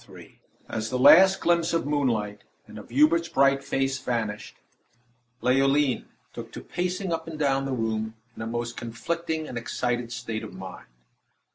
FINIS As the last glimpse of moonlight and of Hubert's bright face vanished, Leoline took to pacing up and down the room in a most conflicting and excited state of mind.